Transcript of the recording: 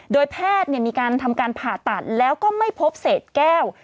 โดยแพทย์มีการทำการผ่าตัดแล้วก็ไม่พบเศษแก้ว